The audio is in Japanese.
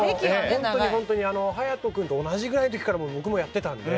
本当に勇人君と同じぐらいの時から僕もやっていたので。